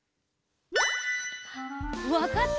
わかった？